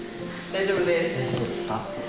大丈夫ですか。